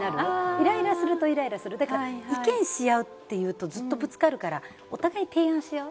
イライラするとイライラする、意見し合うという、ずっとぶつかるからお互い提案し合う。